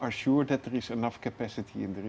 pastikan bahwa ada cukup kapasitas di sungai